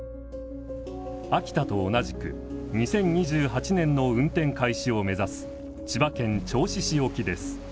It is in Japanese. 秋田と同じく２０２８年の運転開始を目指す千葉県銚子市沖です。